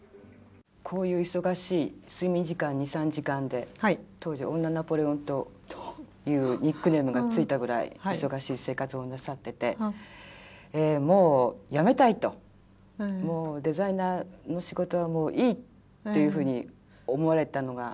こういう忙しい睡眠時間２３時間で当時女ナポレオンというニックネームが付いたぐらい忙しい生活をなさっててもうやめたいともうデザイナーの仕事はもういいっていうふうに思われたのが。